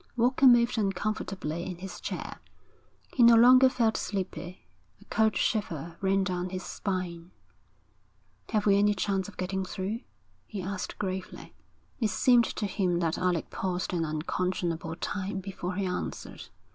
Walker moved uncomfortably in his chair. He no longer felt sleepy. A cold shiver ran down his spine. 'Have we any chance of getting through?' he asked gravely. It seemed to him that Alec paused an unconscionable time before he answered.